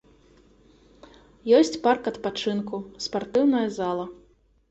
Ёсць парк адпачынку, спартыўная зала.